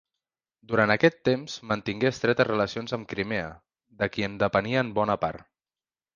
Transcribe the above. Durant aquest temps mantingué estretes relacions amb Crimea, de qui en depenia en bona part.